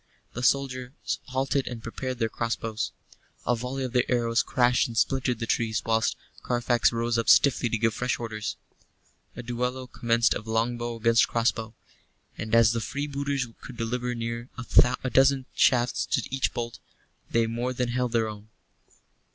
The soldiers halted and prepared their crossbows. A volley of their arrows crashed and splintered the trees, whilst Carfax rose up stiffly to give fresh orders. A duello commenced of longbow against crossbow; and as the freebooters could deliver near a dozen shafts to each bolt, they more than held their own.